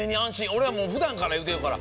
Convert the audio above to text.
俺はもう普段から言うてるから。